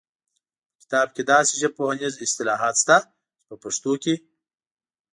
په کتاب کې داسې ژبپوهنیز اصطلاحات شته چې په پښتو کې